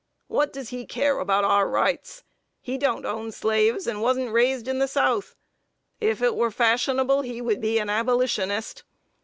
What does he care about our rights? He don't own slaves, and wasn't raised in the South; if it were fashionable, he would be an Abolitionist.